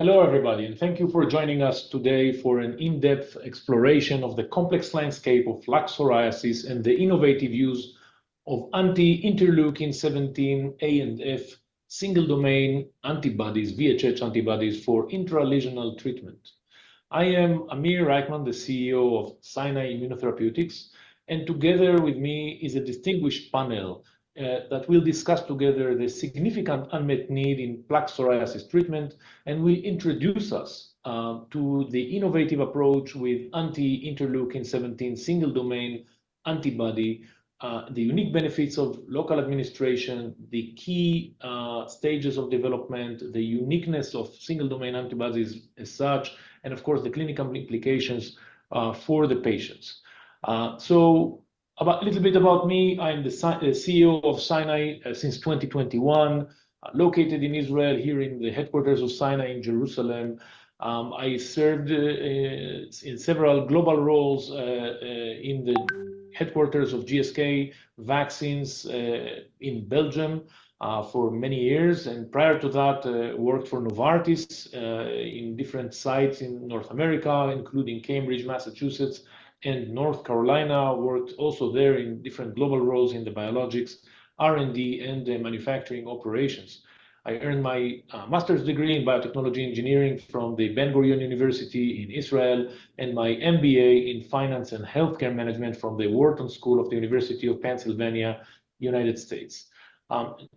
Hello, everybody, and thank you for joining us today for an in-depth exploration of the complex landscape of plaque psoriasis and the innovative use of anti-interleukin 17 A and F single domain antibodies, VHH antibodies, for intralesional treatment. I am Amir Reichman, the CEO of Scinai Immunotherapeutics, and together with me is a distinguished panel that will discuss together the significant unmet need in plaque psoriasis treatment, and will introduce us to the innovative approach with anti-interleukin 17 single domain antibody, the unique benefits of local administration, the key stages of development, the uniqueness of single domain antibodies as such, and of course, the clinical implications for the patients, so about a little bit about me, I'm the CEO of Scinai since 2021, located in Israel, here in the headquarters of Scinai in Jerusalem. I served in several global roles in the headquarters of GSK Vaccines in Belgium for many years, and prior to that, worked for Novartis in different sites in North America, including Cambridge, Massachusetts, and North Carolina. Worked also there in different global roles in the biologics, R&D, and the manufacturing operations. I earned my Master's degree in Biotechnology Engineering from the Ben-Gurion University in Israel, and my MBA in Finance and Healthcare Management from the Wharton School of the University of Pennsylvania, United States.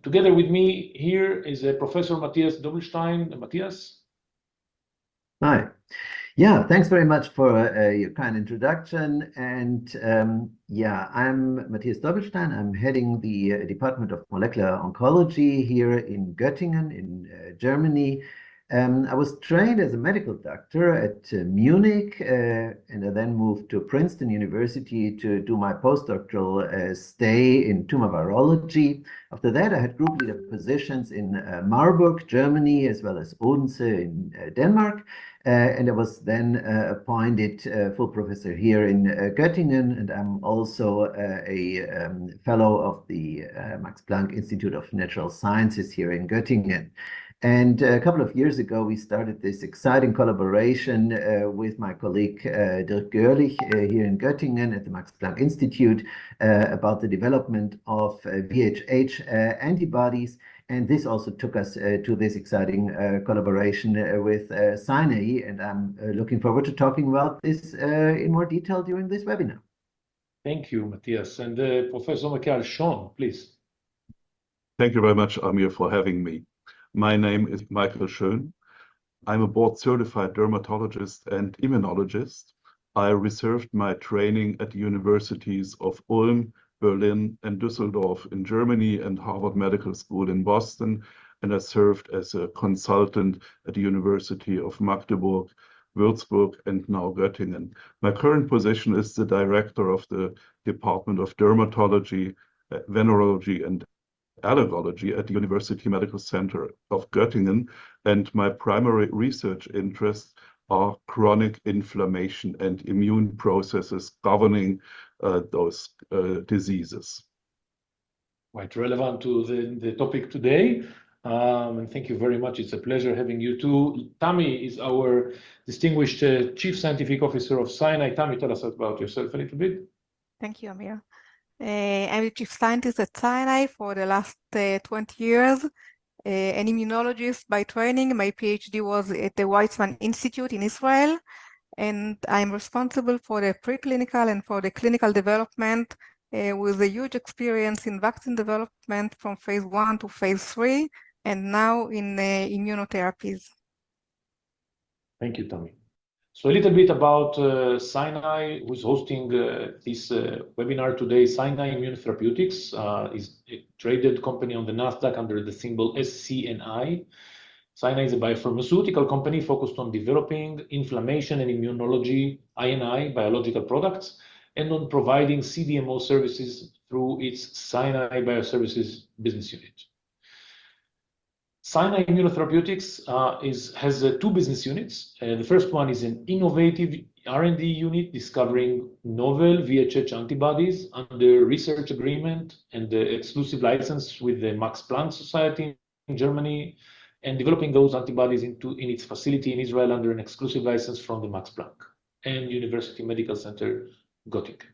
Together with me here is Professor Matthias Dobbelstein. Matthias? Hi. Yeah, thanks very much for your kind introduction, and yeah, I'm Matthias Dobbelstein. I'm heading the Department of Molecular Oncology here in Göttingen, in Germany. I was trained as a medical doctor at Munich, and I then moved to Princeton University to do my postdoctoral stay in tumor virology. After that, I had group leader positions in Marburg, Germany, as well as Odense in Denmark, and I was then appointed full professor here in Göttingen, and I'm also a fellow of the Max Planck Institute of Natural Sciences here in Göttingen, and a couple of years ago, we started this exciting collaboration with my colleague Dirk Görlich, here in Göttingen, at the Max Planck Institute, about the development of VHH antibodies. And this also took us to this exciting collaboration with Scinai, and I'm looking forward to talking about this in more detail during this webinar. Thank you, Matthias, and Professor Michael Schön, please. Thank you very much, Amir, for having me. My name is Michael Schön. I'm a board-certified dermatologist and immunologist. I received my training at the universities of Ulm, Berlin, and Düsseldorf in Germany, and Harvard Medical School in Boston, and I served as a consultant at the University of Magdeburg, Würzburg, and now Göttingen. My current position is the Director of the Department of Dermatology, Venereology, and Allergology at the University Medical Center of Göttingen, and my primary research interests are chronic inflammation and immune processes governing those diseases. Quite relevant to the topic today. And thank you very much. It's a pleasure having you, too. Tami is our distinguished Chief Scientific Officer of Scinai. Tami, tell us about yourself a little bit. Thank you, Amir. I'm a chief scientist at Scinai for the last 20 years, an immunologist by training. My PhD was at the Weizmann Institute in Israel, and I'm responsible for the preclinical and for the clinical development, with a huge experience in vaccine development from phase I to phase III, and now in the immunotherapies. Thank you, Tami. So a little bit about Scinai, who's hosting this webinar today. Scinai Immunotherapeutics is a traded company on the Nasdaq under the symbol SCNI. Scinai is a biopharmaceutical company focused on developing inflammation and immunology, I&I, biological products, and on providing CDMO services through its Scinai Bioservices business unit. Scinai Immunotherapeutics has two business units, and the first one is an innovative R&D unit, discovering novel VHH antibodies under a research agreement and an exclusive license with the Max Planck Society in Germany, and developing those antibodies in its facility in Israel under an exclusive license from the Max Planck and University Medical Center Göttingen. The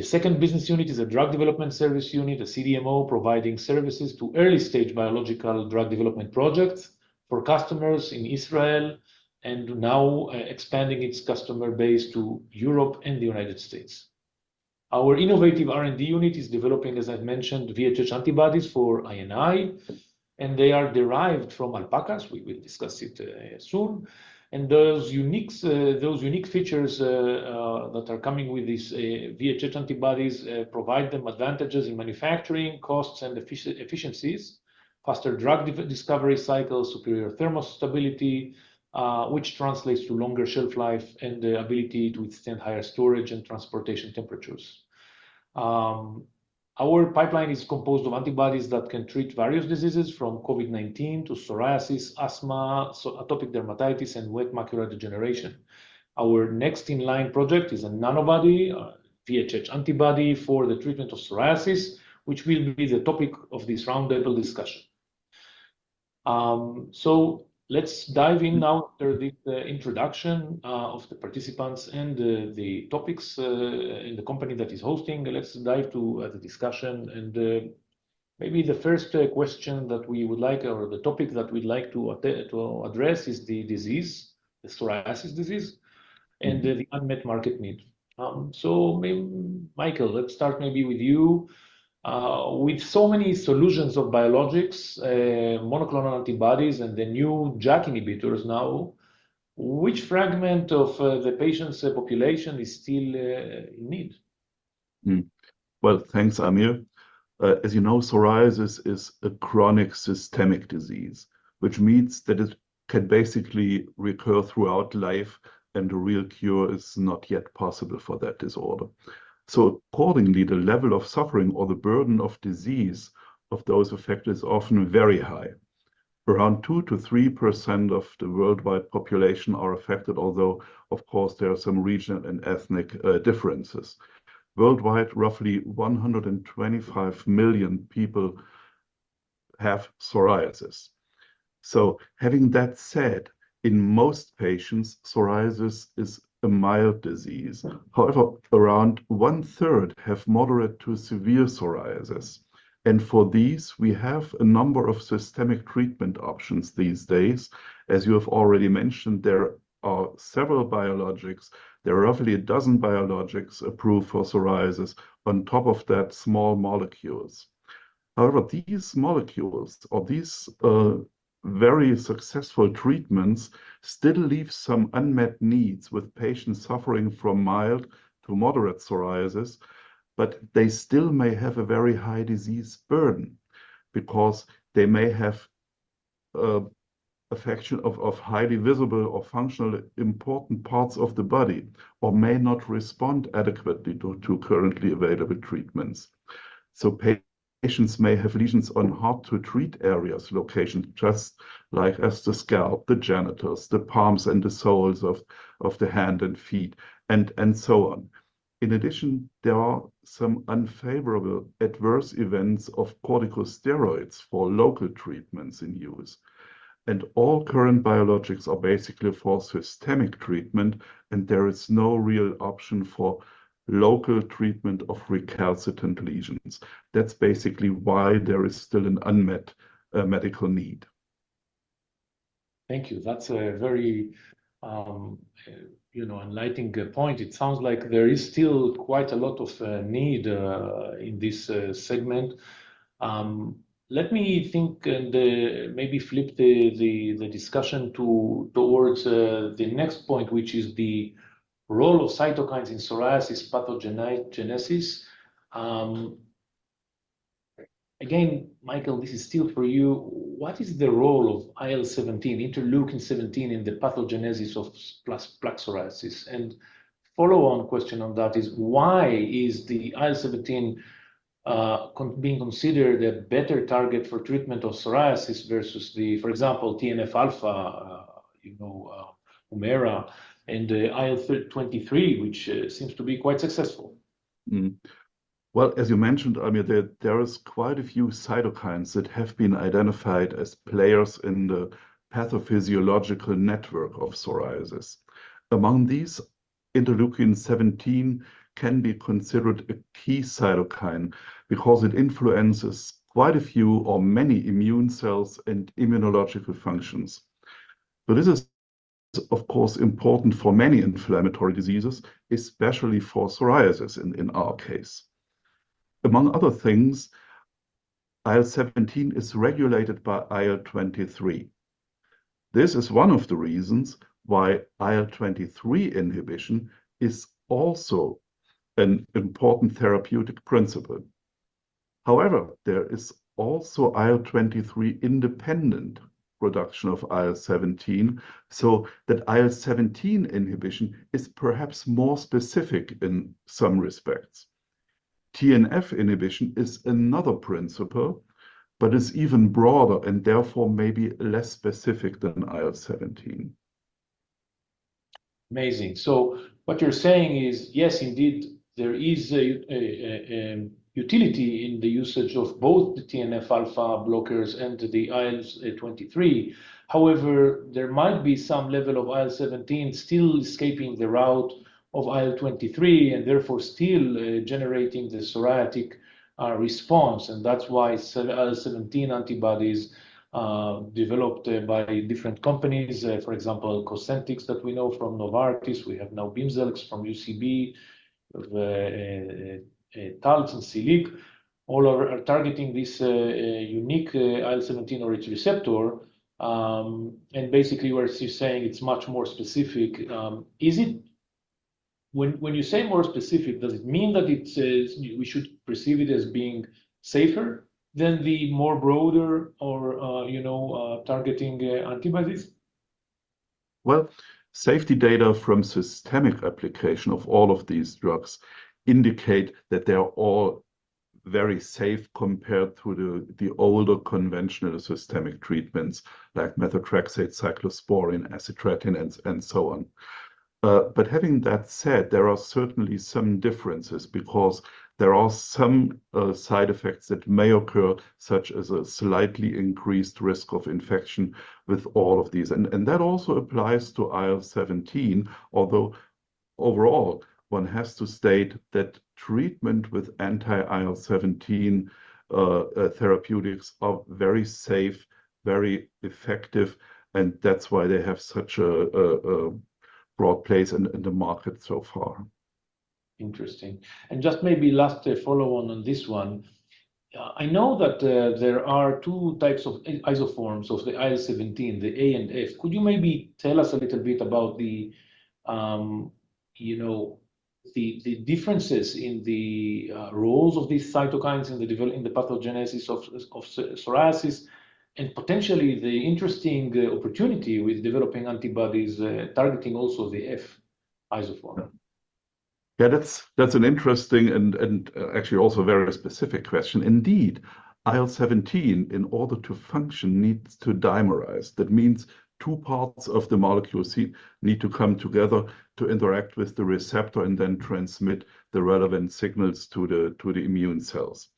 second business unit is a drug development service unit, a CDMO, providing services to early-stage biological drug development projects for customers in Israel, and now expanding its customer base to Europe and the United States. Our innovative R&D unit is developing, as I've mentioned, VHH antibodies for I&I, and they are derived from alpacas. We will discuss it soon. Those unique features that are coming with these VHH antibodies provide them advantages in manufacturing costs and efficiencies, faster drug discovery cycles, superior thermal stability, which translates to longer shelf life and the ability to withstand higher storage and transportation temperatures. Our pipeline is composed of antibodies that can treat various diseases, from COVID-19 to psoriasis, asthma, atopic dermatitis, and wet macular degeneration. Our next in-line project is a nanobody. VHH antibody for the treatment of psoriasis, which will be the topic of this roundtable discussion. So let's dive in now. After the introduction of the participants and the topics and the company that is hosting, let's dive to the discussion. Maybe the first question that we would like or the topic that we'd like to address is the disease, the psoriasis disease, and the unmet market need. Michael, let's start maybe with you. With so many solutions of biologics, monoclonal antibodies, and the new JAK inhibitors now, which fragment of the patient's population is still in need? Well, thanks, Amir. As you know, psoriasis is a chronic systemic disease, which means that it can basically recur throughout life, and a real cure is not yet possible for that disorder. So accordingly, the level of suffering or the burden of disease of those affected is often very high. Around 2%-3% of the worldwide population are affected, although of course there are some regional and ethnic differences. Worldwide, roughly 125 million people have psoriasis. So having that said, in most patients, psoriasis is a mild disease. However, around one-third have moderate to severe psoriasis, and for these, we have a number of systemic treatment options these days. As you have already mentioned, there are several biologics. There are roughly a dozen biologics approved for psoriasis, on top of that, small molecules. However, these molecules or these very successful treatments still leave some unmet needs with patients suffering from mild to moderate psoriasis, but they still may have a very high disease burden because they may have affection of highly visible or functionally important parts of the body or may not respond adequately to currently available treatments. So patients may have lesions on hard-to-treat areas, locations just like as the scalp, the genitals, the palms, and the soles of the hand and feet, and so on. In addition, there are some unfavorable adverse events of corticosteroids for local treatments in use, and all current biologics are basically for systemic treatment, and there is no real option for local treatment of recalcitrant lesions. That's basically why there is still an unmet medical need. Thank you. That's a very, you know, enlightening point. It sounds like there is still quite a lot of need in this segment. Let me think and maybe flip the discussion towards the next point, which is the role of cytokines in psoriasis pathogenesis. Again, Michael, this is still for you. What is the role of IL-17, interleukin-17, in the pathogenesis of plaque psoriasis? And follow-on question on that is, why is the IL-17 being considered a better target for treatment of psoriasis versus the, for example, TNF alpha, you know, Humira and the IL-23, which seems to be quite successful? Mm-hmm. Well, as you mentioned, I mean, there is quite a few cytokines that have been identified as players in the pathophysiological network of psoriasis. Among these, interleukin-17 can be considered a key cytokine because it influences quite a few or many immune cells and immunological functions. But this is, of course, important for many inflammatory diseases, especially for psoriasis in our case. Among other things, IL-17 is regulated by IL-23. This is one of the reasons why IL-23 inhibition is also an important therapeutic principle. However, there is also IL-23 independent reduction of IL-17, so that IL-17 inhibition is perhaps more specific in some respects. TNF inhibition is another principle, but it's even broader and therefore may be less specific than IL-17. Amazing. So what you're saying is, yes, indeed, there is a utility in the usage of both the TNF alpha blockers and the IL-23. However, there might be some level of IL-17 still escaping the route of IL-23 and therefore still generating the psoriatic response, and that's why IL-17 antibodies developed by different companies, for example, Cosentyx, that we know from Novartis. We have now Bimzelx from UCB, Taltz and Siliq, all are targeting this unique IL-17 or its receptor. And basically, you are saying it's much more specific. Is it... When you say more specific, does it mean that it is- we should perceive it as being safer than the more broader or, you know, targeting antibodies? Safety data from systemic application of all of these drugs indicate that they are all very safe compared to the older conventional systemic treatments, like Methotrexate, Cyclosporine, Acitretin, and so on, but having that said, there are certainly some differences because there are some side effects that may occur, such as a slightly increased risk of infection with all of these, and that also applies to IL-17, although overall, one has to state that treatment with anti-IL-17 therapeutics are very safe, very effective, and that's why they have such a broad place in the market so far. Interesting and just maybe last, a follow-on on this one. I know that there are two types of isoforms of the IL-17, the A and F. Could you maybe tell us a little bit about the, you know, the differences in the roles of these cytokines in the pathogenesis of psoriasis, and potentially the interesting, the opportunity with developing antibodies targeting also the F isoform? Yeah, that's an interesting and actually also a very specific question. Indeed, IL-17, in order to function, needs to dimerize. That means two parts of the molecule need to come together to interact with the receptor and then transmit the relevant signals to the immune cells.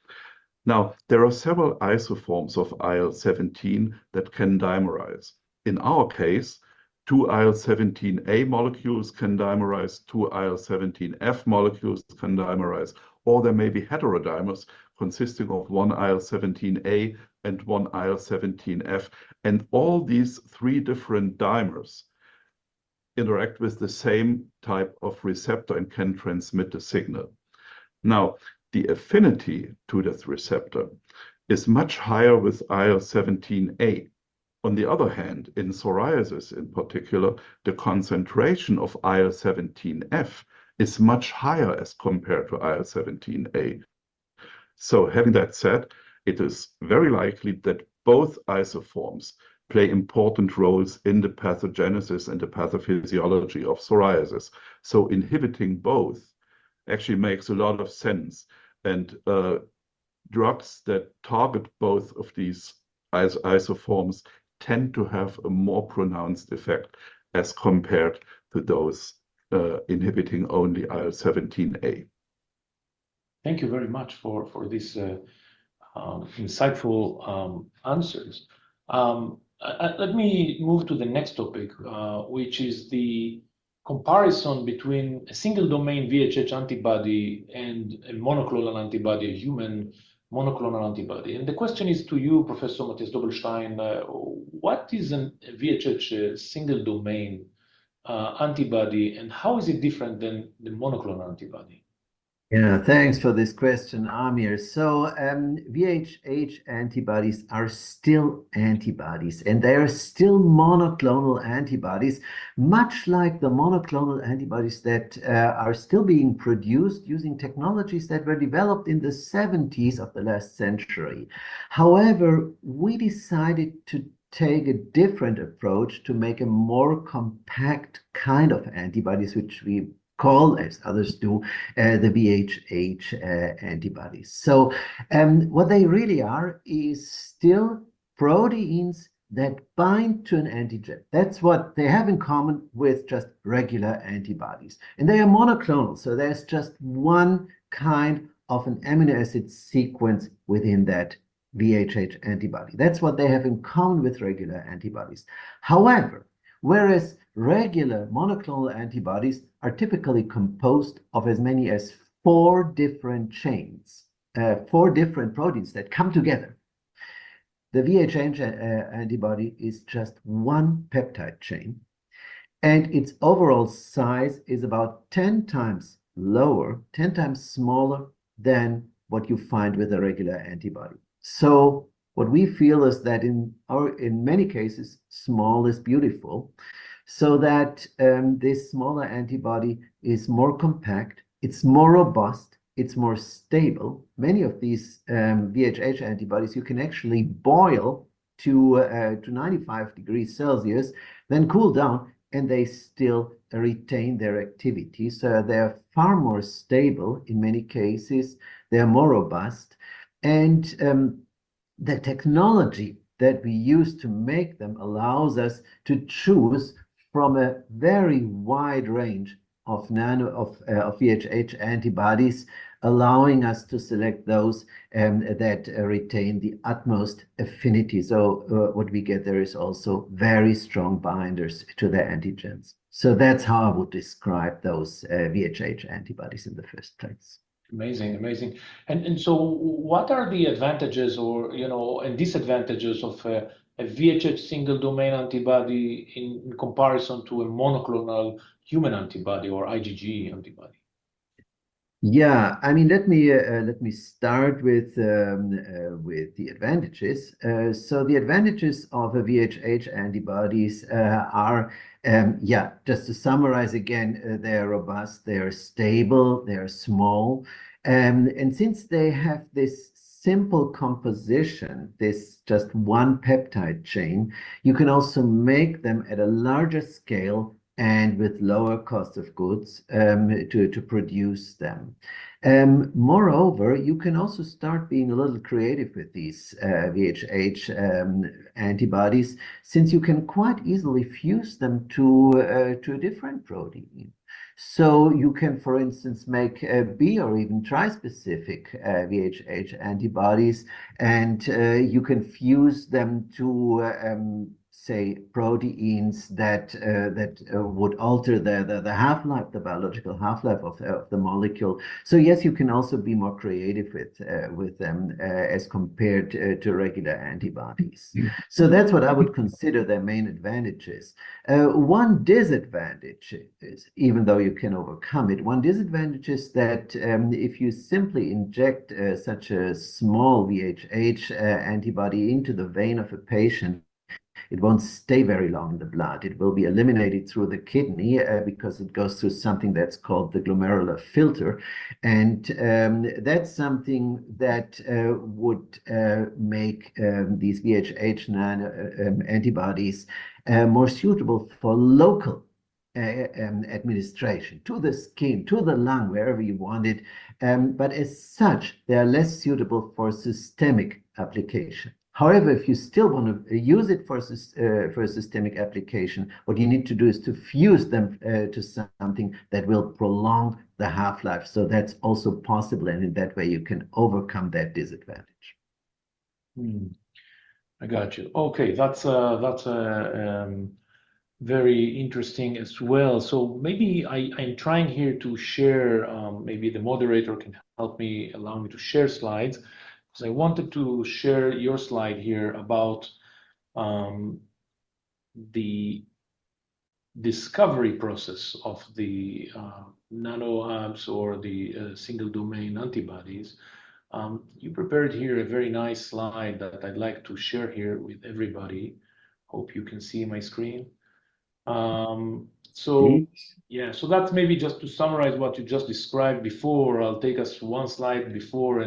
Now, there are several isoforms of IL-17 that can dimerize. In our case, two IL-17A molecules can dimerize, two IL-17F molecules can dimerize, or there may be heterodimers consisting of one IL-17A and one IL-17F. All these three different dimers interact with the same type of receptor and can transmit the signal. Now, the affinity to this receptor is much higher with IL-17A. On the other hand, in psoriasis, in particular, the concentration of IL-17F is much higher as compared to IL-17A. So having that said, it is very likely that both isoforms play important roles in the pathogenesis and the pathophysiology of psoriasis, so inhibiting both actually makes a lot of sense. And, drugs that target both of these isoforms tend to have a more pronounced effect as compared to those inhibiting only IL-17A. Thank you very much for this insightful answers. Let me move to the next topic, which is the comparison between a single domain VHH antibody and a monoclonal antibody, a human monoclonal antibody, and the question is to you, Professor Matthias Dobbelstein, what is a VHH single domain antibody, and how is it different than the monoclonal antibody? Yeah, thanks for this question, Amir. So, VHH antibodies are still antibodies, and they are still monoclonal antibodies, much like the monoclonal antibodies that are still being produced using technologies that were developed in the 1970s of the last century. However, we decided to take a different approach to make a more compact kind of antibodies, which we call, as others do, the VHH antibodies. So, what they really are is still proteins that bind to an antigen. That's what they have in common with just regular antibodies. And they are monoclonal, so there's just one kind of an amino acid sequence within that VHH antibody. That's what they have in common with regular antibodies. However, whereas regular monoclonal antibodies are typically composed of as many as four different chains, four different proteins that come together, the VHH antibody is just one peptide chain, and its overall size is about 10x lower, 10x smaller than what you find with a regular antibody. So what we feel is that in many cases, small is beautiful, so that this smaller antibody is more compact, it's more robust, it's more stable. Many of these VHH antibodies, you can actually boil to 95 degrees Celsius, then cool down, and they still retain their activity. So they're far more stable in many cases, they're more robust, and the technology that we use to make them allows us to choose from a very wide range of VHH antibodies, allowing us to select those that retain the utmost affinity. So what we get there is also very strong binders to the antigens. So that's how I would describe those VHH antibodies in the first place. Amazing. And so what are the advantages or, you know, and disadvantages of a VHH single domain antibody in comparison to a monoclonal human antibody or IgG antibody? Yeah, I mean, let me start with the advantages. So the advantages of VHH antibodies are yeah, just to summarize again, they're robust, they're stable, they're small, and since they have this simple composition, this just one peptide chain, you can also make them at a larger scale and with lower cost of goods to produce them. Moreover, you can also start being a little creative with these VHH antibodies, since you can quite easily fuse them to a different protein. So you can, for instance, make a bi- or even tri-specific VHH antibodies, and you can fuse them to, say, proteins that would alter the half-life, the biological half-life of the molecule. So yes, you can also be more creative with them as compared to regular antibodies. So that's what I would consider their main advantages. One disadvantage is, even though you can overcome it, if you simply inject such a small VHH antibody into the vein of a patient, it won't stay very long in the blood. It will be eliminated through the kidney because it goes through something that's called the glomerular filter, and that's something that would make these VHH antibodies more suitable for local administration to the skin, to the lung, wherever you want it. But as such, they are less suitable for systemic application. However, if you still wanna use it for a systemic application, what you need to do is to fuse them to something that will prolong the half-life. So that's also possible, and in that way, you can overcome that disadvantage. Mm. I got you. Okay, that's very interesting as well. So maybe I'm trying here to share, maybe the moderator can help me, allow me to share slides, 'cause I wanted to share your slide here about the discovery process of the NanoAbs or the single-domain antibodies. You prepared here a very nice slide that I'd like to share here with everybody. Hope you can see my screen. So- Yes. Yeah, so that's maybe just to summarize what you just described before. I'll take us to one slide before,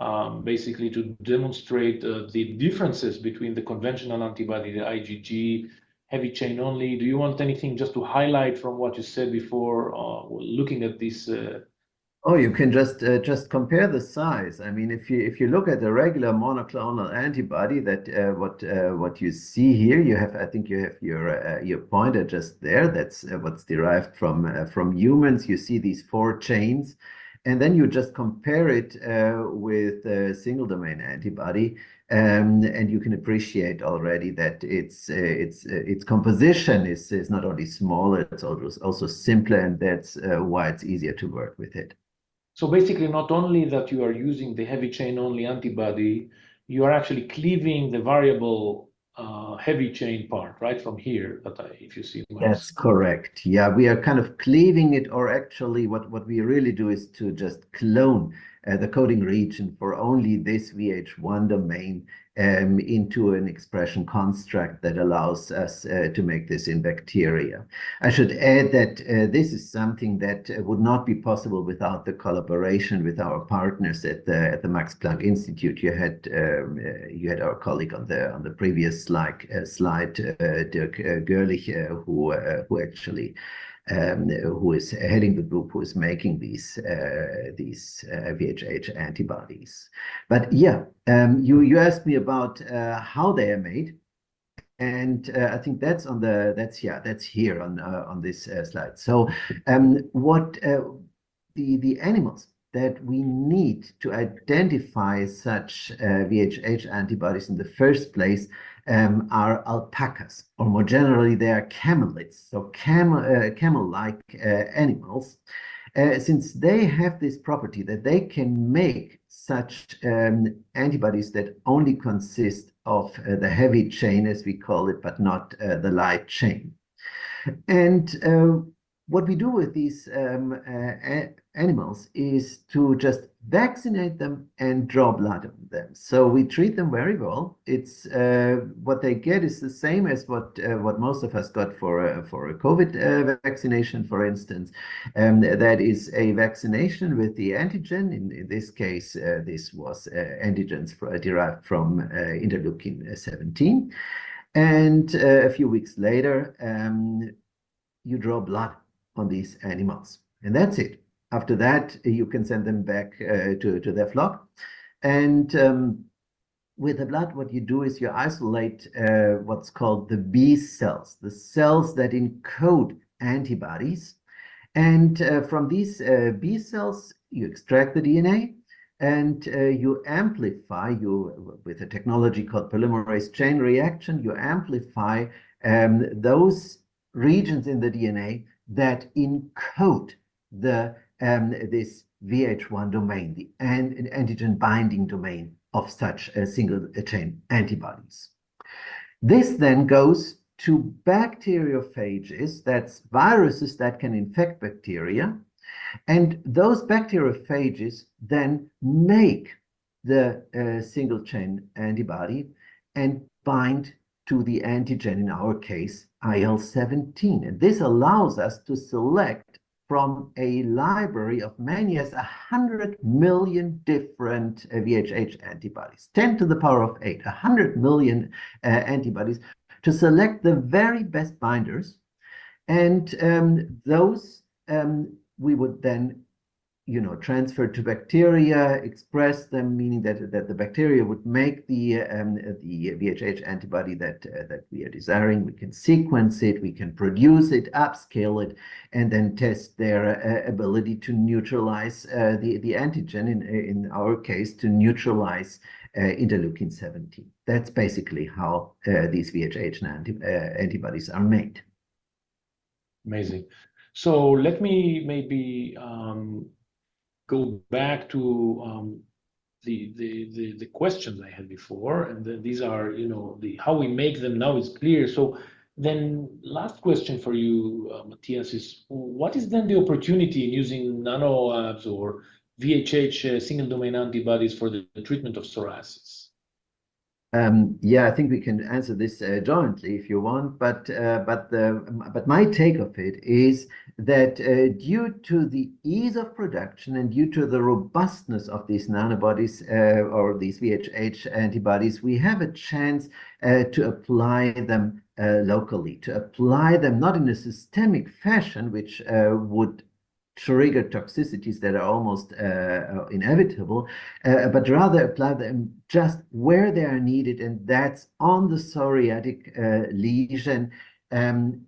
and basically to demonstrate the differences between the conventional antibody, the IgG heavy chain only. Do you want anything just to highlight from what you said before, looking at this...? Oh, you can just, just compare the size. I mean, if you, if you look at the regular monoclonal antibody, that, what, what you see here, you have... I think you have your, your pointer just there. That's, what's derived from, from humans. You see these four chains, and then you just compare it, with a single domain antibody, and you can appreciate already that its, its, its composition is, is not only smaller, it's also simpler, and that's, why it's easier to work with it. Basically, not only that you are using the heavy chain only antibody, you are actually cleaving the variable heavy chain part right from here, but if you see it well. That's correct. Yeah, we are kind of cleaving it, or actually, what, what we really do is to just clone the coding region for only this VHH domain into an expression construct that allows us to make this in bacteria. I should add that this is something that would not be possible without the collaboration with our partners at the Max Planck Institute. You had our colleague on the previous slide, Görlich, who actually is heading the group, who is making these VHH antibodies. But yeah, you asked me about how they are made, and I think that's on the... That's, yeah, that's here on this slide. The animals that we need to identify such VHH antibodies in the first place are alpacas, or more generally, they are camelids, so camel-like animals, since they have this property that they can make such antibodies that only consist of the heavy chain, as we call it, but not the light chain. What we do with these animals is to just vaccinate them and draw blood on them. We treat them very well. What they get is the same as what most of us got for a COVID vaccination, for instance, that is a vaccination with the antigen. In this case, this was antigens derived from interleukin-17, and a few weeks later, you draw blood on these animals, and that's it. After that, you can send them back to their flock, and with the blood, what you do is you isolate what's called the B cells, the cells that encode antibodies, and from these B cells, you extract the DNA, and you amplify with a technology called polymerase chain reaction, you amplify those regions in the DNA that encode the this VHH domain, the antigen-binding domain of such single-chain antibodies. This then goes to bacteriophages, that's viruses that can infect bacteria, and those bacteriophages then make the single chain antibody and bind to the antigen, in our case, IL-17, and this allows us to select from a library of many as a hundred million different VHH antibodies. Ten to the power of eight, a hundred million antibodies to select the very best binders, and those we would then, you know, transfer to bacteria, express them, meaning that the bacteria would make the VHH antibody that we are desiring. We can sequence it, we can produce it, upscale it, and then test their ability to neutralize the antigen, in our case, to neutralize interleukin-17. That's basically how these VHH antibodies are made. Amazing. So let me maybe go back to the question I had before, and then these are, you know, the how we make them now is clear. So then last question for you, Matthias, is what is then the opportunity in using nanoAbs or VHH single domain antibodies for the treatment of psoriasis? Yeah, I think we can answer this jointly if you want, but my take of it is that due to the ease of production and due to the robustness of these nanobodies or these VHH antibodies, we have a chance to apply them locally, to apply them not in a systemic fashion, which would trigger toxicities that are almost inevitable, but rather apply them just where they are needed, and that's on the psoriatic lesion, and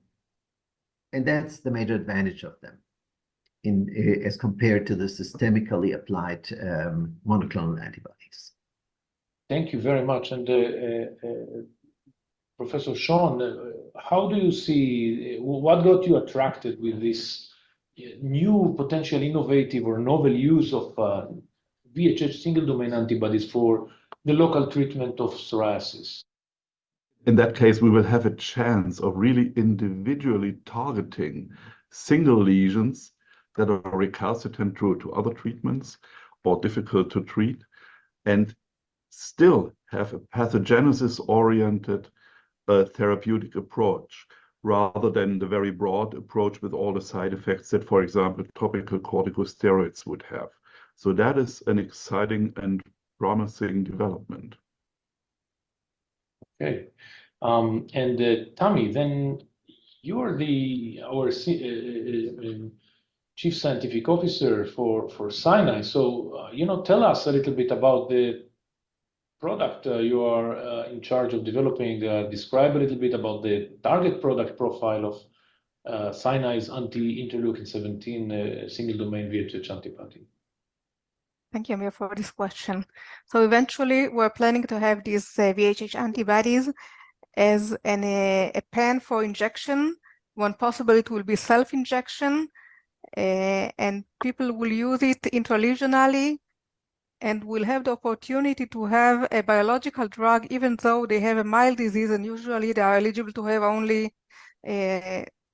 that's the major advantage of them in as compared to the systemically applied monoclonal antibodies. Thank you very much. And, Professor Schön, how do you see... What got you attracted with this, new potential innovative or novel use of, VHH single domain antibodies for the local treatment of psoriasis? In that case, we will have a chance of really individually targeting single lesions that are recalcitrant due to other treatments or difficult to treat, and still have a pathogenesis-oriented, therapeutic approach, rather than the very broad approach with all the side effects that, for example, topical corticosteroids would have. So that is an exciting and promising development. Okay. And, Tami, then you're our Chief Scientific Officer for Scinai, so, you know, tell us a little bit about the product you are in charge of developing. Describe a little bit about the target product profile of Scinai's anti-interleukin-17 single domain VHH antibody. Thank you, Amir, for this question. So eventually, we're planning to have these VHH antibodies as a pen for injection. When possible, it will be self-injection, and people will use it intralesionally, and will have the opportunity to have a biological drug, even though they have a mild disease and usually they are eligible to have only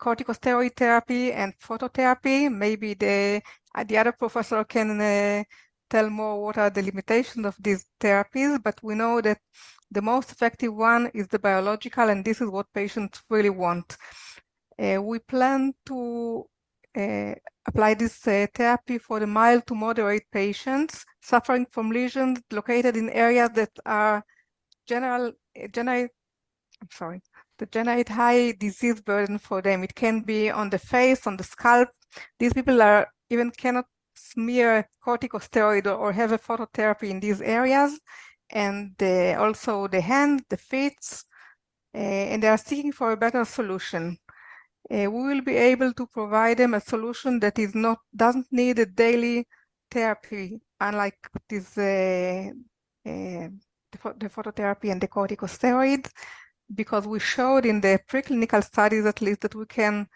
corticosteroid therapy and phototherapy. Maybe the other professor can tell more what are the limitations of these therapies, but we know that the most effective one is the biological, and this is what patients really want. We plan to apply this therapy for the mild to moderate patients suffering from lesions located in areas that generate high disease burden for them. It can be on the face, on the scalp. These people even cannot smear corticosteroid or have a phototherapy in these areas, and also the hand, the feet, and they are seeking for a better solution. We will be able to provide them a solution that doesn't need a daily therapy, unlike this, the phototherapy and the corticosteroids, because we showed in the preclinical studies at least, that we can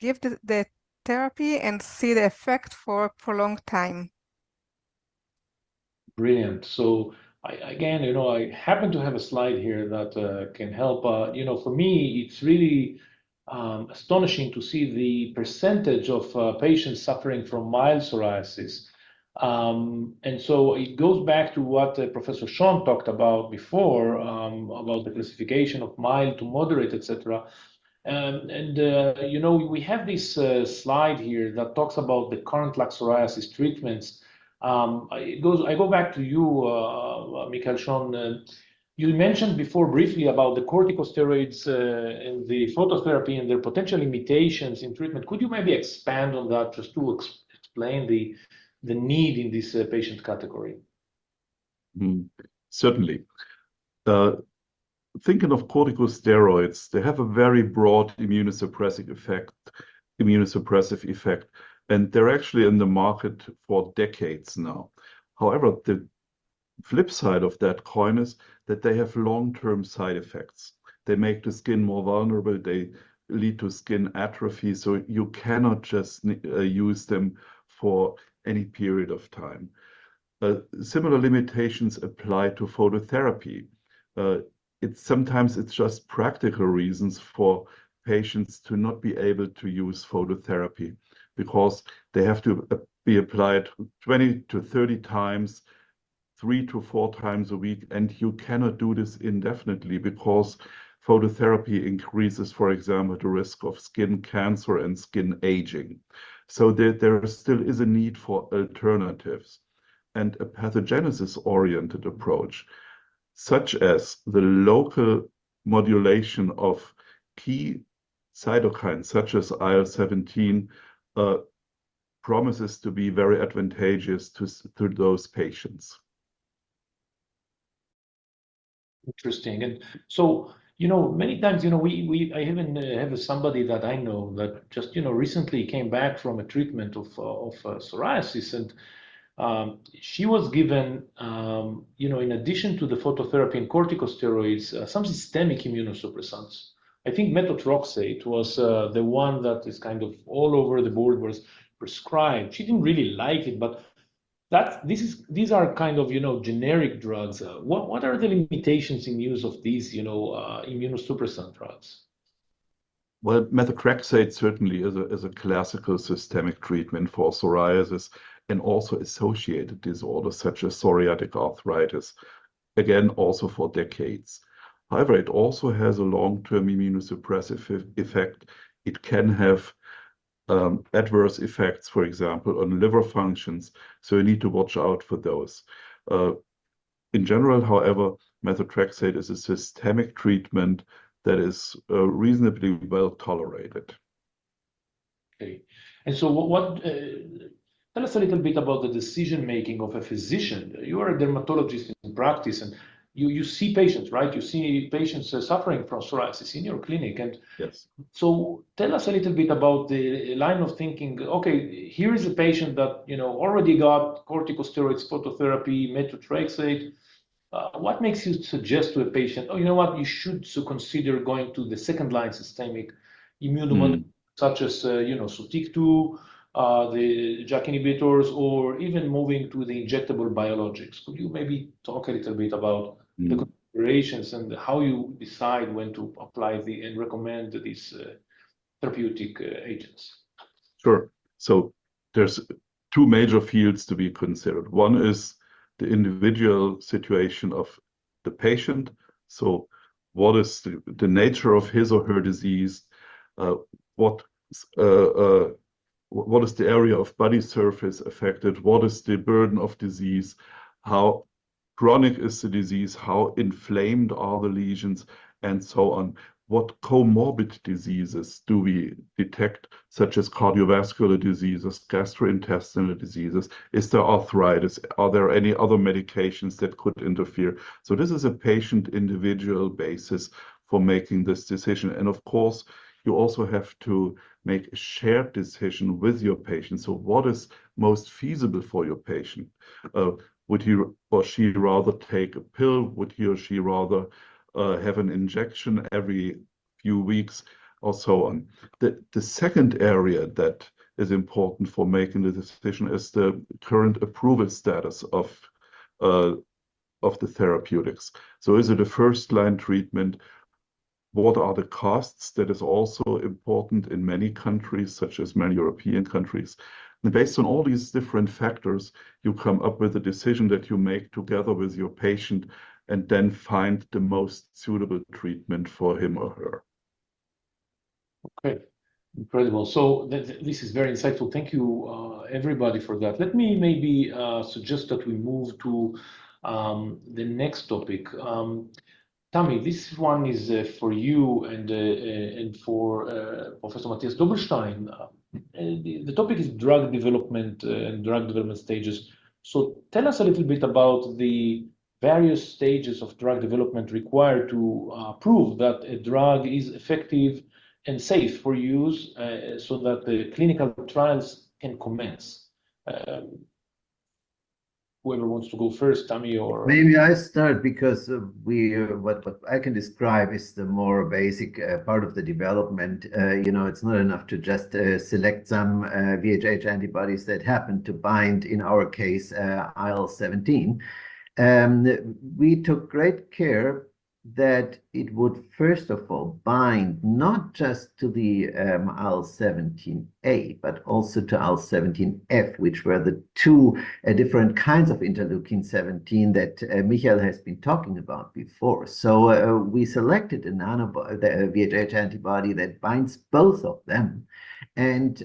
give the therapy and see the effect for a prolonged time. Brilliant. So I, again, you know, I happen to have a slide here that can help. You know, for me, it's really astonishing to see the percentage of patients suffering from mild psoriasis. And so it goes back to what Professor Schön talked about before, about the classification of mild to moderate, et cetera. You know, we have this slide here that talks about the current psoriasis treatments. I go back to you, Michael Schön. You mentioned before briefly about the corticosteroids, and the phototherapy, and their potential limitations in treatment. Could you maybe expand on that, just to explain the need in this patient category? Certainly. Thinking of corticosteroids, they have a very broad immunosuppressing effect, immunosuppressive effect, and they're actually in the market for decades now. However, the flip side of that coin is that they have long-term side effects. They make the skin more vulnerable, they lead to skin atrophy, so you cannot just use them for any period of time. Similar limitations apply to phototherapy. It's sometimes just practical reasons for patients to not be able to use phototherapy, because they have to be applied three to four times a week, and you cannot do this indefinitely because phototherapy increases, for example, the risk of skin cancer and skin aging. There still is a need for alternatives, and a pathogenesis-oriented approach, such as the local modulation of key cytokines, such as IL-17, promises to be very advantageous to those patients. Interesting. And so, you know, many times, you know, we, I even have somebody that I know that just, you know, recently came back from a treatment of psoriasis, and she was given, you know, in addition to the phototherapy and corticosteroids, some systemic immunosuppressants. I think methotrexate was the one that is kind of all over the board was prescribed. She didn't really like it, but these are kind of, you know, generic drugs. What are the limitations in use of these, you know, immunosuppressant drugs? Methotrexate certainly is a classical systemic treatment for psoriasis and also associated disorders such as psoriatic arthritis, again, also for decades. However, it also has a long-term immunosuppressive effect. It can have adverse effects, for example, on liver functions, so you need to watch out for those. In general, however, methotrexate is a systemic treatment that is reasonably well-tolerated. Okay. And so what... Tell us a little bit about the decision-making of a physician. You are a dermatologist in practice, and you see patients, right? You see patients suffering from psoriasis in your clinic, and- Yes. So tell us a little bit about the line of thinking. Okay, here is a patient that, you know, already got corticosteroids, phototherapy, methotrexate. What makes you suggest to a patient, "Oh, you know what? You should so consider going to the second-line systemic immunomodulators- Mm... such as, you know, Sotyktu, the JAK inhibitors, or even moving to the injectable biologics?" Could you maybe talk a little bit about- Mm... the considerations and how you decide when to apply the, and recommend these, therapeutic, agents? Sure. So there's two major fields to be considered. One is the individual situation of the patient. So what is the nature of his or her disease? What is the area of body surface affected? What is the burden of disease? How chronic is the disease? How inflamed are the lesions, and so on? What comorbid diseases do we detect, such as cardiovascular diseases, gastrointestinal diseases? Is there arthritis? Are there any other medications that could interfere? So this is a patient individual basis for making this decision, and of course, you also have to make a shared decision with your patient. So what is most feasible for your patient? Would he or she rather take a pill? Would he or she rather have an injection every few weeks, or so on? The second area that is important for making the decision is the current approval status of the therapeutics, so is it a first-line treatment? What are the costs? That is also important in many countries, such as many European countries, and based on all these different factors, you come up with a decision that you make together with your patient and then find the most suitable treatment for him or her. Okay. Incredible. So that, this is very insightful. Thank you, everybody, for that. Let me maybe suggest that we move to the next topic. Tammy, this one is for you and for Professor Matthias Dobbelstein. The topic is drug development and drug development stages. So tell us a little bit about the various stages of drug development required to prove that a drug is effective and safe for use so that the clinical trials can commence. Whoever wants to go first, Tami or- Maybe I start because what I can describe is the more basic part of the development. You know, it's not enough to just select some VHH antibodies that happen to bind, in our case, IL-17, and we took great care that it would, first of all, bind not just to the IL-17A, but also to IL-17F, which were the two different kinds of interleukin-17 that Michael has been talking about before, so we selected a VHH antibody that binds both of them, and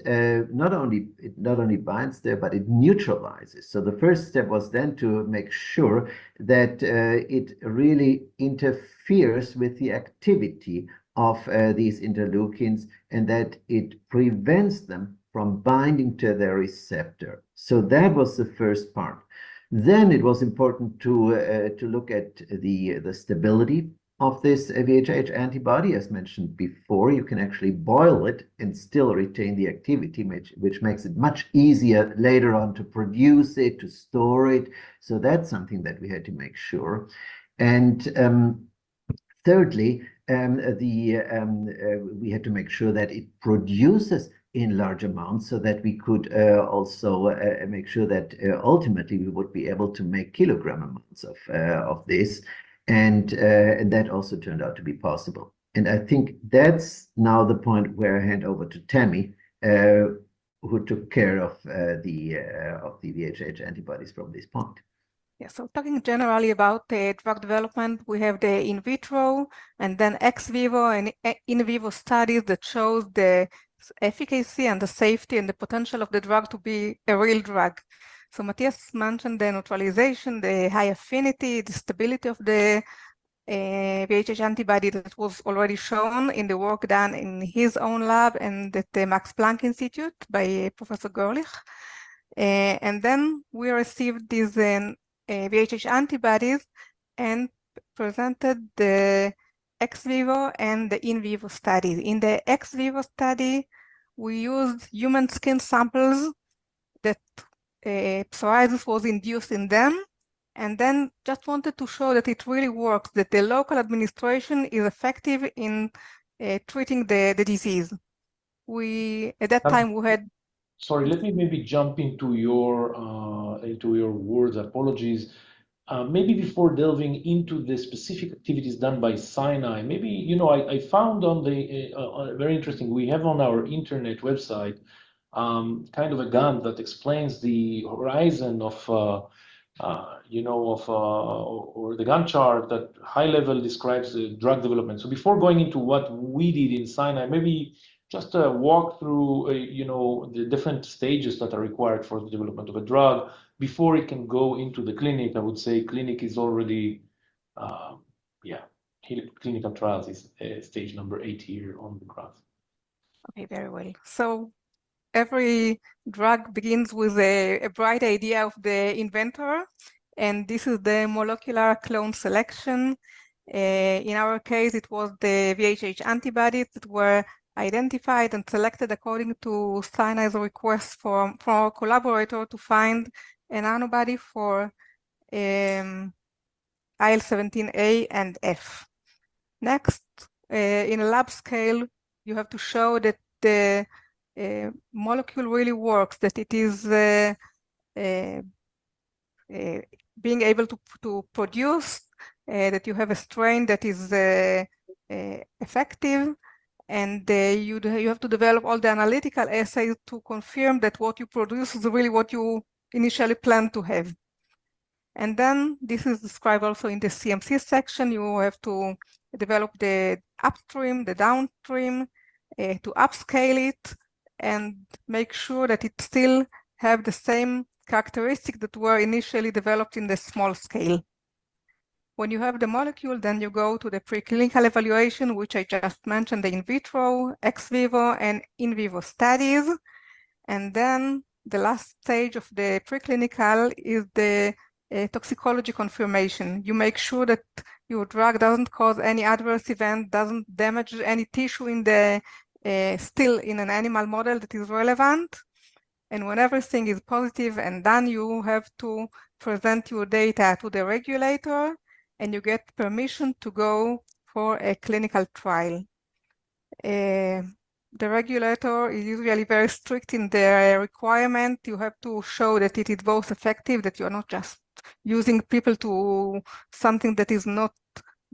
not only it binds there, but it neutralizes, so the first step was then to make sure that it really interferes with the activity of these interleukins and that it prevents them from binding to their receptor. So that was the first part. Then it was important to look at the stability of this VHH antibody. As mentioned before, you can actually boil it and still retain the activity, which makes it much easier later on to produce it, to store it. So that's something that we had to make sure. And thirdly, we had to make sure that it produces in large amounts, so that we could also make sure that ultimately we would be able to make kilogram amounts of this, and that also turned out to be possible. And I think that's now the point where I hand over to Tami who took care of the VHH antibodies from this point? Yeah, so talking generally about the drug development, we have the in vitro and then ex-vivo and in-vivo studies that show the efficacy and the safety and the potential of the drug to be a real drug. So Matthias mentioned the neutralization, the high affinity, the stability of the VHH antibody that was already shown in the work done in his own lab and at the Max Planck Institute by Professor Görlich. And then we received these VHH antibodies and presented the ex-vivo and the in-vivo studies. In the ex-vivo study, we used human skin samples that psoriasis was induced in them, and then just wanted to show that it really works, that the local administration is effective in treating the disease. We at that time, we had- Sorry, let me maybe jump into your words. Apologies. Maybe before delving into the specific activities done by Scinai, maybe. You know, I found on the very interesting, we have on our internet website kind of a Gantt that explains the horizon of, you know, of or the Gantt chart that high level describes the drug development. So before going into what we did in Scinai, maybe just walk through, you know, the different stages that are required for the development of a drug before it can go into the clinic. I would say clinic is already, yeah, clinical trials is stage number eight here on the graph. Okay, very well, so every drug begins with a bright idea of the inventor, and this is the molecular clone selection. In our case, it was the VHH antibodies that were identified and selected according to Scinai's request from our collaborator to find an antibody for IL-17A and IL-17F. Next, in a lab scale, you have to show that the molecule really works, that it is being able to produce, that you have a strain that is effective, and you have to develop all the analytical assays to confirm that what you produce is really what you initially planned to have, and then this is described also in the CMC section. You have to develop the upstream, the downstream, to upscale it, and make sure that it still have the same characteristics that were initially developed in the small scale. When you have the molecule, then you go to the preclinical evaluation, which I just mentioned, the in vitro, ex-vivo, and in-vivo studies. And then the last stage of the preclinical is the toxicology confirmation. You make sure that your drug doesn't cause any adverse event, doesn't damage any tissue still in an animal model that is relevant. And when everything is positive and done, you have to present your data to the regulator, and you get permission to go for a clinical trial. The regulator is usually very strict in their requirement. You have to show that it is both effective, that you're not just using people to something that is not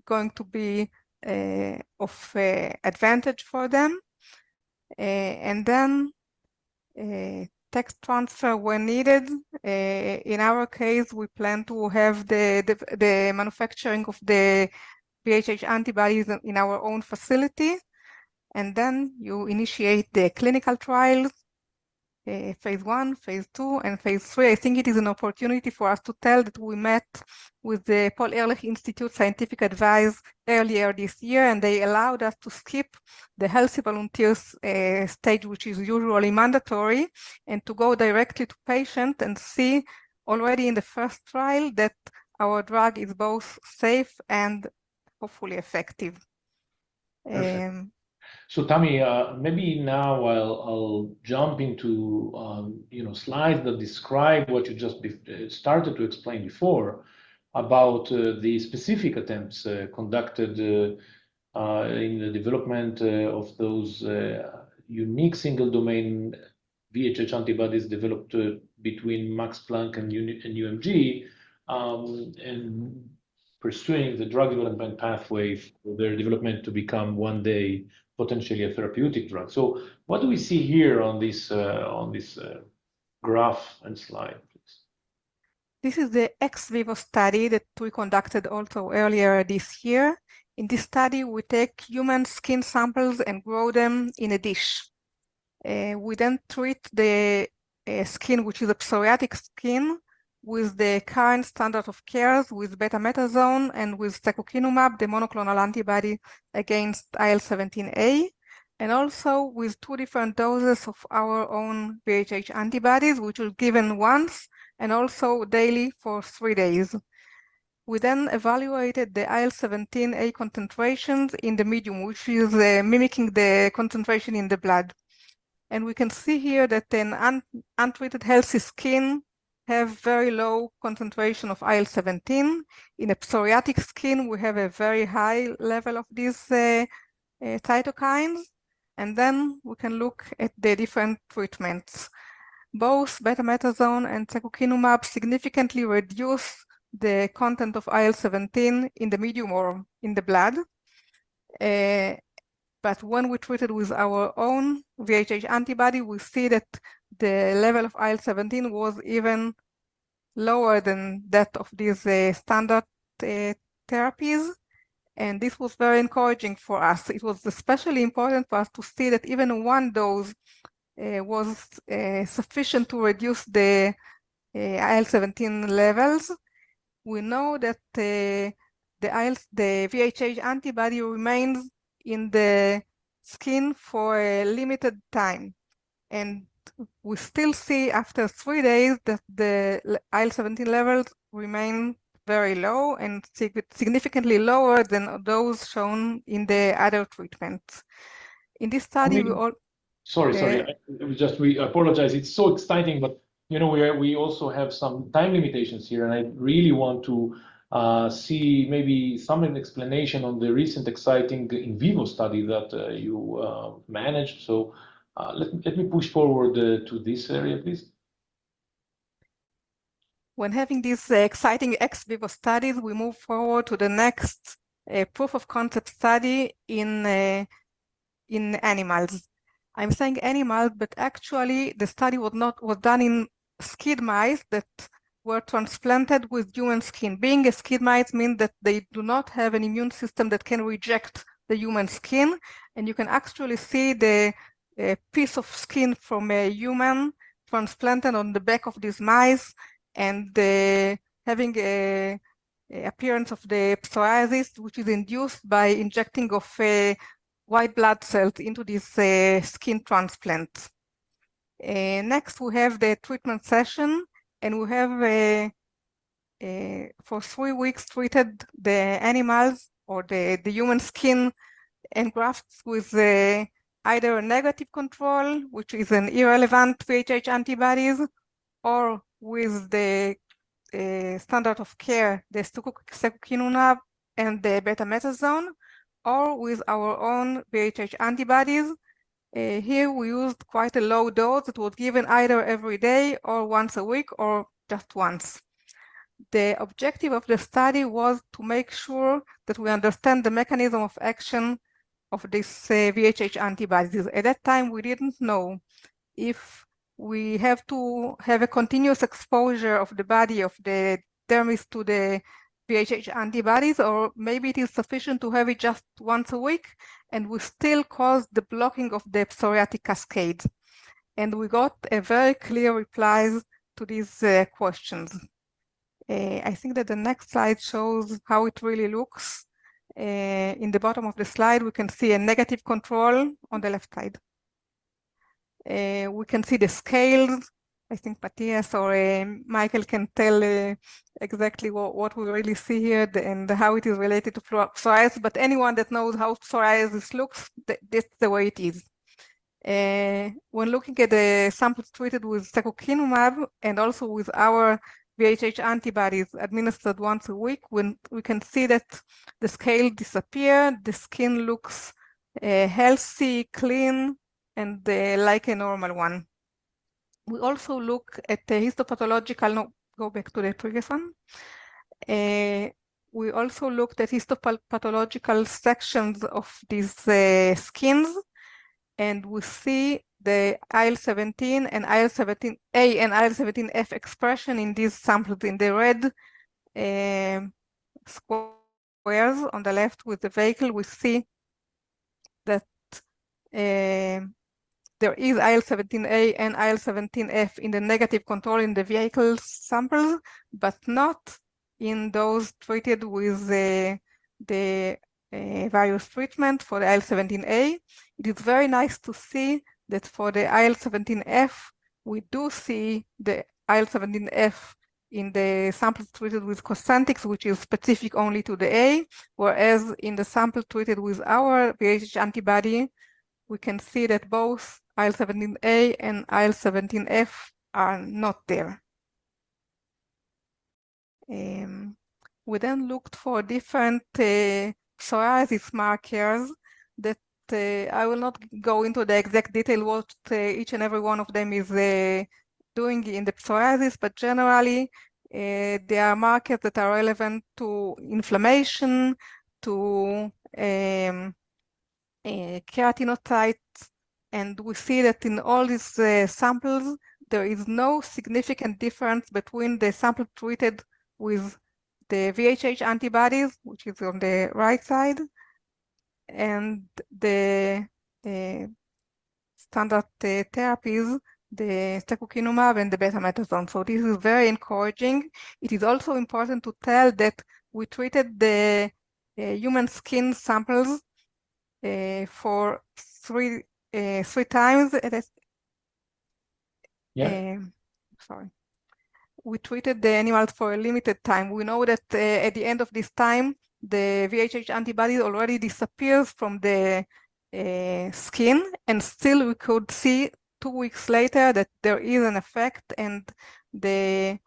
going to be, of, advantage for them. And then, tech transfer when needed. In our case, we plan to have the manufacturing of the VHH antibodies in our own facility, and then you initiate the clinical trials, phase one, phase two, and phase three. I think it is an opportunity for us to tell that we met with the Paul-Ehrlich-Institut scientific advice earlier this year, and they allowed us to skip the healthy volunteers, stage, which is usually mandatory, and to go directly to patient and see already in the first trial that our drug is both safe and hopefully effective. Perfect. So, Tami, maybe now I'll jump into, you know, slides that describe what you just started to explain before about the specific attempts in the development of those unique single domain VHH antibodies developed between Max Planck and UMG in pursuing the drug development pathway for their development to become one day potentially a therapeutic drug. So what do we see here on this graph and slide, please? This is the ex-vivo study that we conducted also earlier this year. In this study, we take human skin samples and grow them in a dish. We then treat the skin, which is a psoriatic skin, with the current standard of cares, with betamethasone and with secukinumab, the monoclonal antibody against IL-17A, and also with two different doses of our own VHH antibodies, which were given once and also daily for three days. We then evaluated the IL-17A concentrations in the medium, which is mimicking the concentration in the blood. And we can see here that in untreated healthy skin have very low concentration of IL-17. In a psoriatic skin, we have a very high level of these cytokines, and then we can look at the different treatments. both betamethasone and secukinumab significantly reduce the content of IL-17 in the medium or in the blood, but when we treat it with our own VHH antibody, we see that the level of IL-17 was even lower than that of these standard therapies, and this was very encouraging for us. It was especially important for us to see that even one dose was sufficient to reduce the IL-17 levels. We know that the VHH antibody remains in the skin for a limited time, and we still see after three days that the IL-17 levels remain very low and significantly lower than those shown in the other treatments. In this study, we all- Sorry, sorry. We just apologize. It's so exciting, but, you know, we also have some time limitations here, and I really want to see maybe some explanation on the recent exciting in-vivo study that you managed. So, let me push forward to this area, please. When having these exciting ex-vivo studies, we move forward to the next, proof of concept study in, in animals. I'm saying animals, but actually, the study was done in SCID mice that were transplanted with human skin. Being a SCID mice mean that they do not have an immune system that can reject the human skin, and you can actually see the, piece of skin from a human transplanted on the back of these mice, and they having a appearance of the psoriasis, which is induced by injecting of a white blood cell into this, skin transplant. Next, we have the treatment session, and we have, for three weeks, treated the animals or the human skin engrafts with either a negative control, which is an irrelevant VHH antibodies, or with the standard of care, the secukinumab and the betamethasone, or with our own VHH antibodies. Here, we used quite a low dose that was given either every day or once a week or just once. The objective of the study was to make sure that we understand the mechanism of action of this VHH antibodies. At that time, we didn't know if we have to have a continuous exposure of the body, of the dermis to the VHH antibodies, or maybe it is sufficient to have it just once a week, and we still cause the blocking of the psoriatic cascade. We got a very clear replies to these questions. I think that the next slide shows how it really looks. In the bottom of the slide, we can see a negative control on the left side. We can see the scale. I think Matthias or Michael can tell exactly what we really see here and how it is related to psoriasis, but anyone that knows how psoriasis looks, that's the way it is. When looking at the samples treated with secukinumab and also with our VHH antibodies administered once a week, when we can see that the scale disappear, the skin looks healthy, clean, and like a normal one. We also look at the histopathological... No, go back to the previous one. We also looked at histopathological sections of these skins, and we see the IL-17 and IL-17A and IL-17F expression in these samples. In the red squares on the left with the vehicle, we see that there is IL-17A and IL-17F in the negative control in the vehicle sample, but not in those treated with the various treatment for the IL-17A. It is very nice to see that for the IL-17F, we do see the IL-17F in the samples treated with Cosentyx, which is specific only to the A, whereas in the sample treated with our VHH antibody, we can see that both IL-17A and IL-17F are not there. We then looked for different, psoriasis markers that, I will not go into the exact detail what, each and every one of them is, doing in the psoriasis, but generally, there are markers that are relevant to inflammation, to, keratinocytes, and we see that in all these, samples, there is no significant difference between the sample treated with the VHH antibodies, which is on the right side, and the, standard, therapies, the secukinumab and the betamethasone. So this is very encouraging. It is also important to tell that we treated the, human skin samples, for three times, and that's- Yeah. Sorry. We treated the animals for a limited time. We know that at the end of this time, the VHH antibody already disappears from the skin, and still we could see two weeks later that there is an effect, and the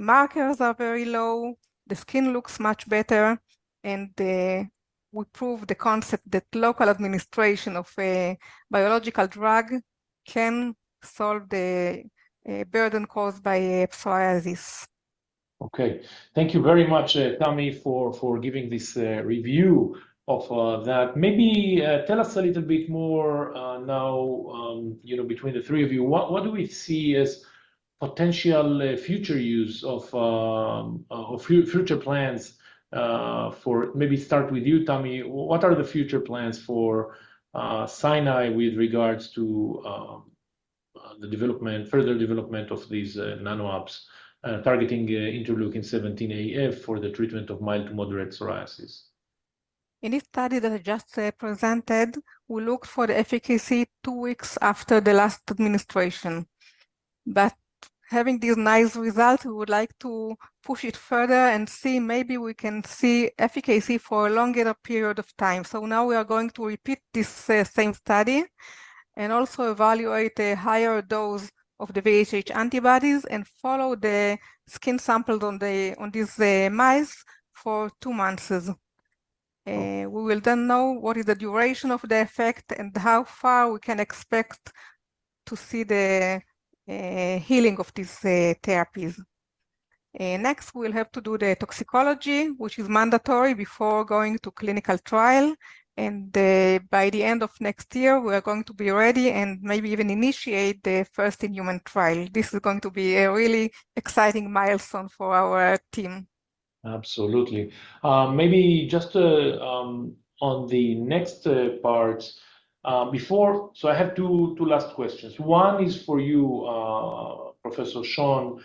markers are very low, the skin looks much better, and we prove the concept that local administration of a biological drug can solve the burden caused by psoriasis. Okay. Thank you very much, Tami, for giving this review of that. Maybe tell us a little bit more now, you know, between the three of you, what do we see as potential future use of future plans for. Maybe start with you, Tami. What are the future plans for Scinai with regards to the development, further development of these nano-abs targeting interleukin-17AF for the treatment of mild to moderate psoriasis? In this study that I just presented, we look for the efficacy two weeks after the last administration. But having these nice results, we would like to push it further and see maybe we can see efficacy for a longer period of time. So now we are going to repeat this same study, and also evaluate a higher dose of the VHH antibodies, and follow the skin samples on these mice for two months. We will then know what is the duration of the effect and how far we can expect to see the healing of these therapies. Next, we'll have to do the toxicology, which is mandatory before going to clinical trial, and by the end of next year, we are going to be ready, and maybe even initiate the first in-human trial. This is going to be a really exciting milestone for our team. Absolutely. Maybe just on the next part before. So I have two last questions. One is for you, Professor Schön.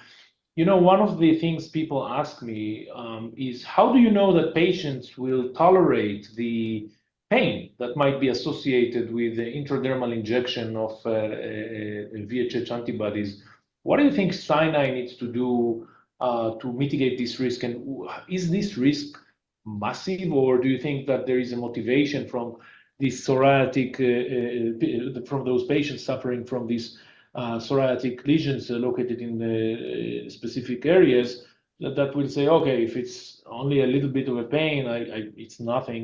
You know, one of the things people ask me is: how do you know that patients will tolerate the pain that might be associated with the intradermal injection of VHH antibodies? What do you think Scinai needs to do to mitigate this risk? And is this risk massive, or do you think that there is a motivation from those patients suffering from these psoriatic lesions located in the specific areas, that will say, "Okay, if it's only a little bit of a pain, I... It's nothing"?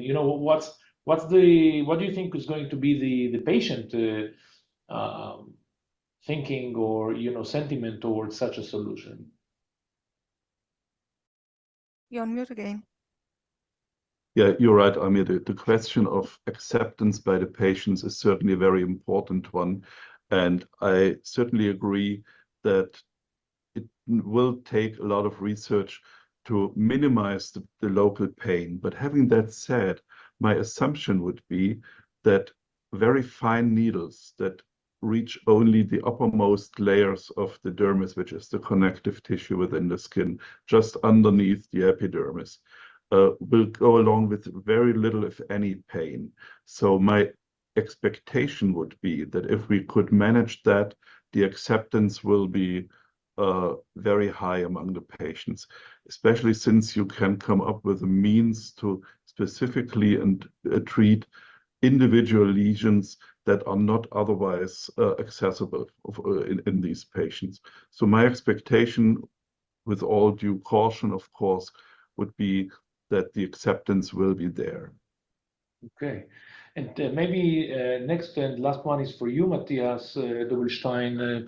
You know, what do you think is going to be the patient thinking or, you know, sentiment towards such a solution? You're on mute again. Yeah, you're right, Amir. The question of acceptance by the patients is certainly a very important one, and I certainly agree that it will take a lot of research to minimize the local pain. But having that said, my assumption would be that very fine needles that reach only the uppermost layers of the dermis, which is the connective tissue within the skin, just underneath the epidermis, will go along with very little, if any, pain. So my expectation would be that if we could manage that, the acceptance will be very high among the patients, especially since you can come up with a means to specifically and treat individual lesions that are not otherwise accessible in these patients. So my expectation, with all due caution, of course, would be that the acceptance will be there. Okay. And maybe next and last one is for you, Matthias Dobbelstein.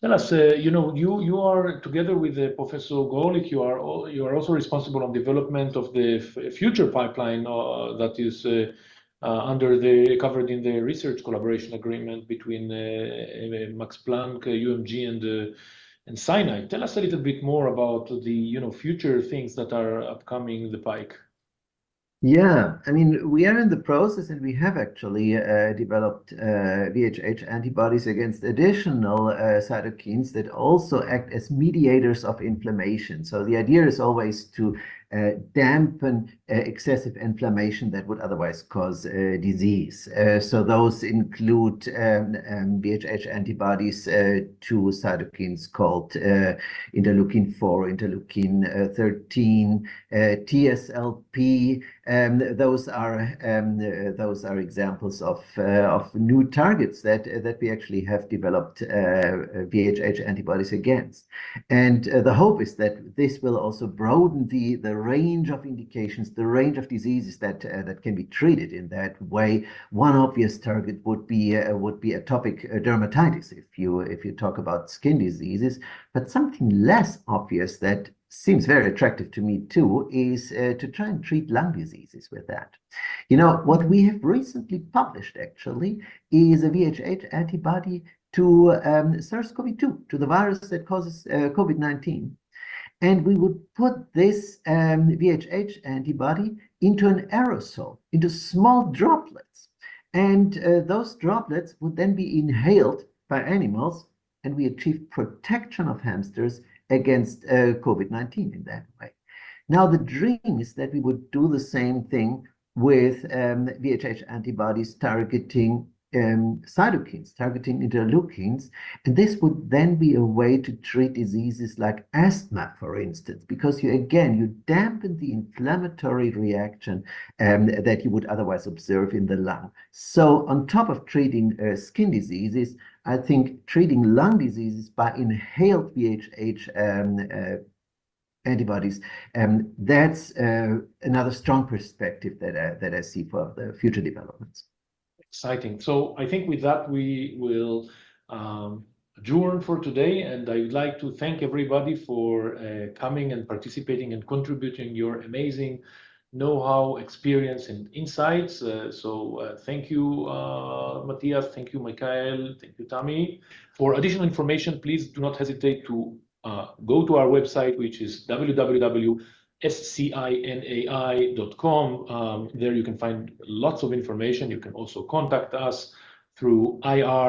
Tell us, you know, you are together with Professor Görlich, you are also responsible of development of the future pipeline that is covered in the research collaboration agreement between Max Planck, UMG, and Scinai. Tell us a little bit more about the, you know, future things that are upcoming the pike. Yeah. I mean, we are in the process, and we have actually developed VHH antibodies against additional cytokines that also act as mediators of inflammation. So the idea is always to dampen excessive inflammation that would otherwise cause disease. So those include VHH antibodies to cytokines called interleukin 4, interleukin 13, TSLP. Those are those are examples of of new targets that that we actually have developed VHH antibodies against. And the hope is that this will also broaden the the range of indications, the range of diseases that that can be treated in that way. One obvious target would be would be atopic dermatitis, if you if you talk about skin diseases. But something less obvious that seems very attractive to me, too, is to try and treat lung diseases with that. You know, what we have recently published, actually, is a VHH antibody to SARS-CoV-2, to the virus that causes COVID-19, and we would put this VHH antibody into an aerosol, into small droplets, and those droplets would then be inhaled by animals, and we achieve protection of hamsters against COVID-19 in that way. Now, the dream is that we would do the same thing with VHH antibodies targeting cytokines, targeting interleukins, and this would then be a way to treat diseases like asthma, for instance, because you, again, you dampen the inflammatory reaction that you would otherwise observe in the lung. So on top of treating skin diseases, I think treating lung diseases by inhaled VHH antibodies, that's another strong perspective that I see for the future developments. Exciting. So I think with that, we will adjourn for today, and I would like to thank everybody for coming, and participating, and contributing your amazing know-how, experience, and insights, so thank you, Matthias, thank you, Michael, thank you, Tami. For additional information, please do not hesitate to go to our website, which is www.scinai.com. There you can find lots of information. You can also contact us through IR-